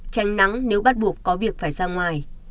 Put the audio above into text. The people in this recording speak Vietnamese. tránh nắng nếu bắt buộc có việc phải ra ngoài